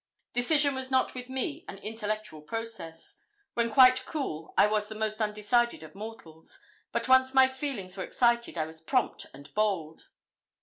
Decision was not with me an intellectual process. When quite cool I was the most undecided of mortals, but once my feelings were excited I was prompt and bold.